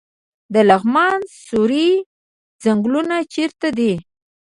د لغمان سروې ځنګلونه چیرته دي؟